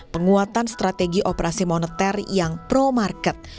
penguatan strategi operasi moneter yang pro market